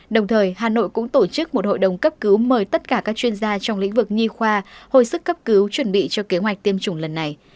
đồng thời hà nội cũng tổ chức một hội đồng cấp cứu mời tất cả các chuyên gia trong lĩnh vực nhi khoa hồi sức cấp cứu chuẩn bị cho kế hoạch tiêm chủng lần này